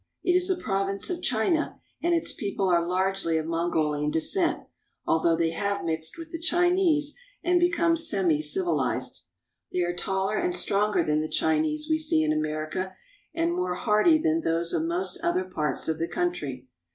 It is a province of China, and its people are largely of Mon golian descent, although they have mixed with the Chinese and become semicivilized. They are taller and stronger MONGOLIA AND MANCHURIA 145 than the Chinese we see in America, and more hardy than those of most other parts of the country.